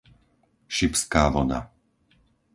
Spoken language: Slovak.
Šibská voda